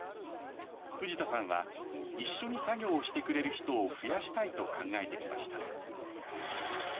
藤田さんは、一緒に作業してくれる人を増やしたいと考えてきました。